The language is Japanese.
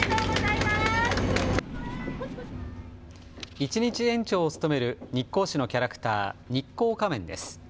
一日園長を務める日光市のキャラクター、日光仮面です。